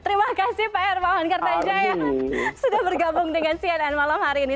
terima kasih pak hermawan kartanjaya sudah bergabung dengan cnn malam hari ini